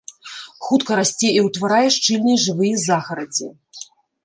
Хутка расце і ўтварае шчыльныя жывыя загарадзі.